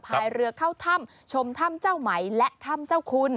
พายเรือเข้าถ้ำชมถ้ำเจ้าไหมและถ้ำเจ้าคุณ